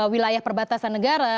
wilayah perbatasan negara